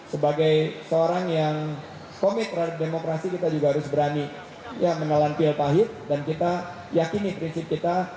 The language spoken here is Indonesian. sebagai seorang yang komit terhadap demokrasi kita juga harus berani menelan pil pahit dan kita yakini prinsip kita